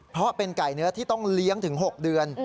เพราะเป็นไก่เนื้อที่ต้องเลี้ยงถึง๖เดือน